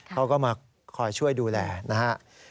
เขาก็มาคอยช่วยดูแลนะครับ